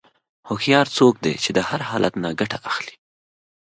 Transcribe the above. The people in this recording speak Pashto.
هوښیار څوک دی چې د هر حالت نه ګټه اخلي.